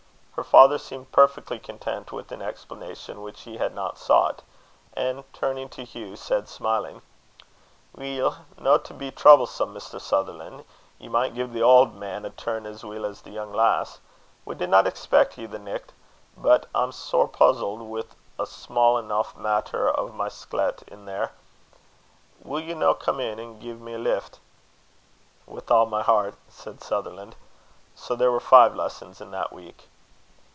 Her father seemed perfectly content with an explanation which he had not sought, and, turning to Hugh, said, smiling: "Weel, no to be troublesome, Mr. Sutherlan', ye maun gie the auld man a turn as weel as the young lass. We didna expec ye the nicht, but I'm sair puzzled wi' a sma' eneuch matter on my sklet in there. Will you no come in and gie me a lift?" "With all my heart," said Sutherland. So there were five lessons in that week.